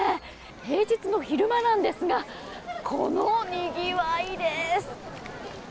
平日の昼間なんですがこのにぎわいです。